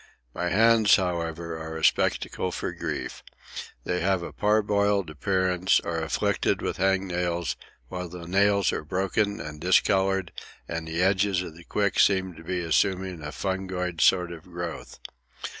My hands, however, are a spectacle for grief. They have a parboiled appearance, are afflicted with hang nails, while the nails are broken and discoloured, and the edges of the quick seem to be assuming a fungoid sort of growth.